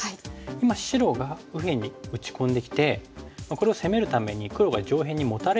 今白が右辺に打ち込んできてこれを攻めるために黒が上辺にモタれていってる感じですかね。